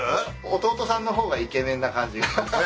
弟さんの方がイケメンな感じ。